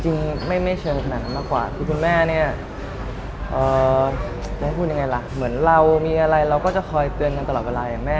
จริงไม่เชิงขนาดนั้นมากกว่าคือคุณแม่เนี่ยจะให้พูดยังไงล่ะเหมือนเรามีอะไรเราก็จะคอยเตือนกันตลอดเวลาอย่างแม่